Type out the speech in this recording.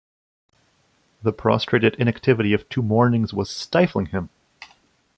The prostrated inactivity of two mornings was stifling him.